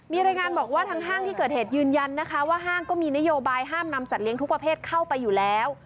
มีรายงานบอกว่าทางห้างที่เกิดเหตุยืนยันนะคะว่าห้างก็มีนโยบายห้ามนำสัตว์เลี้ยทุกประเภทเข้าไปอยู่แล้ว